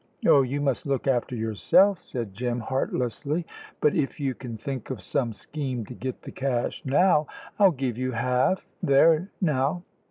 "Oh, you must look after yourself," said Jim, heartlessly; "but if you can think of some scheme to get the cash now, I'll give you half there now.